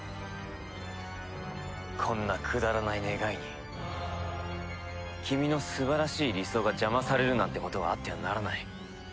こんなくだらない願いに君の素晴らしい理想が邪魔されるなんてことはあってはならない。